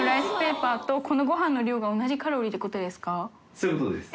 そういうことです。